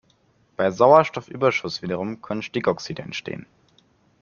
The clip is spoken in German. Bei Sauerstoffüberschuss wiederum können Stickoxide entstehen.